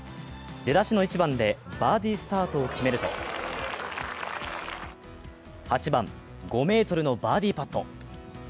出だしの１番でバーディースタートを決めると、８番、５ｍのバーディーパット。